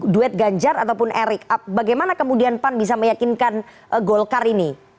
duet ganjar ataupun erick bagaimana kemudian pan bisa meyakinkan golkar ini